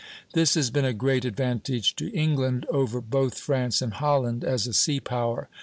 This has been a great advantage to England over both France and Holland as a sea power.